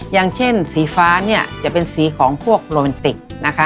อย่างเช่นสีฟ้าจะเป็นสีของพวกโรแมนติก